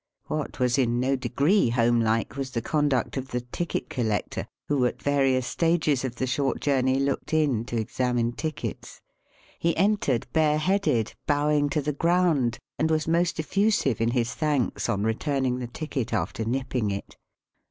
What was in no degree homelike was the conduct of the ticket collector who, at various stages of the short journey, looked in to examine tickets. He entered bare headed, bowing to the ground, and was most effusive in his thanks on re turning the ticket after nipping it.